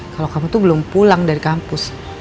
kalau kamu tuh belum pulang dari kampus